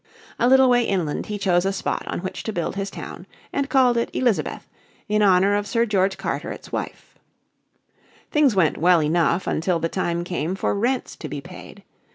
A little way inland he chose a spot on which to build his town and called it Elizabeth, in honour of Sir George Carteret's Wife. Things went well enough until the time came for rents to be paid.